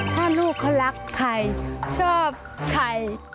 ถ้าลูกเขารักใครชอบใคร